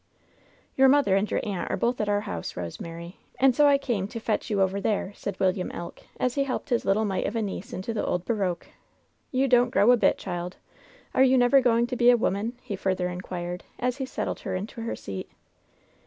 "Your mother and your aunt are both at our house, Rosemary, and so I came to fetch you over there," said William Elk, as he helped his little mite of a niece into the old barouche. "You don't grow a bit, child I Are you never going to be a woman ?'' he further inquired, as he settled her into her seat.